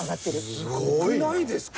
すごくないですか？